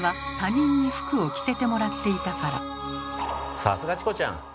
さすがチコちゃん！